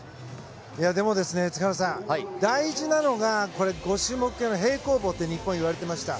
でも塚原さん、大事なのが５種目めの平行棒と日本いわれてました。